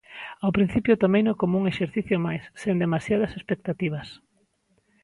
Ao principio tomeino como un exercicio máis, sen demasiadas expectativas.